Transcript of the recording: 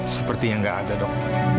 sepertinya gak ada dok